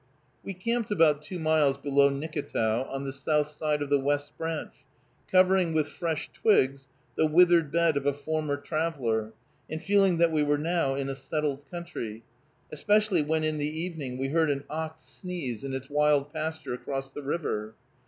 We camped about two miles below Nicketow, on the south side of the West Branch, covering with fresh twigs the withered bed of a former traveler, and feeling that we were now in a settled country, especially when in the evening we heard an ox sneeze in its wild pasture across the river.